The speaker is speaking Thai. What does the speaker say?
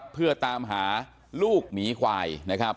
เพื่อตามหาลูกหมีควายนะครับ